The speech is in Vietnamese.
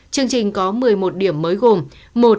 chương trình có một mươi một điểm mới gồm